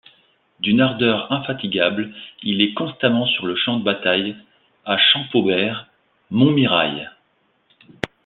D’une ardeur infatigable, il est constamment sur le champ de bataille, à Champaubert, Montmirail.